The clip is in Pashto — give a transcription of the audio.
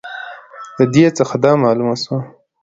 د دې څخه دا معلومه سوه